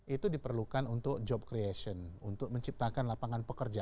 itu diperlukan untuk job creation untuk menciptakan lapangan pekerjaan